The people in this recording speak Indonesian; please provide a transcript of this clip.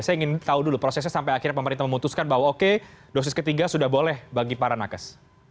saya ingin tahu dulu prosesnya sampai akhirnya pemerintah memutuskan bahwa oke dosis ketiga sudah boleh bagi para nakes